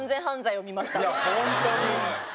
いやホントに。